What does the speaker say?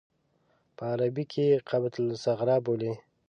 په عربي کې یې قبة الصخره بولي.